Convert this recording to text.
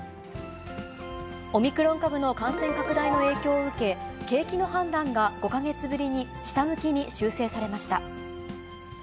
オミクロン株の感染拡大の影響を受け、景気の判断が５か月ぶりに下向きに修正されました。